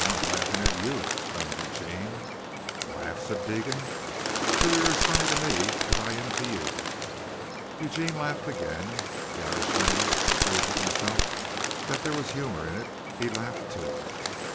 I'm laughing at you," explained Eugene. "Laugh," said Deegan. "Shure you're as funny to me as I am to you." Eugene laughed again. The Irishman agreed with himself that there was humor in it. He laughed too.